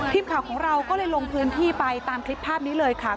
ทีมข่าวของเราก็เลยลงพื้นที่ไปตามคลิปภาพนี้เลยค่ะ